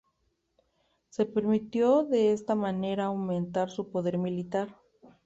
Se permitió de esta manera aumentar su poder militar.